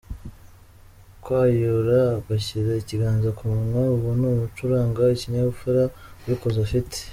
Kwayura ugashyira ikiganza ku munwa ubu ni umuco uranga ikinyabupfura ubikoze afite.